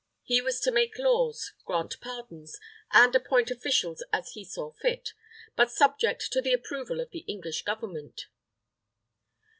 He was to make laws, grant pardons, and appoint officials as he saw fit, but subject to the approval of the English Government.